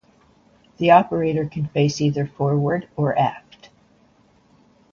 The operator can face either forward or aft.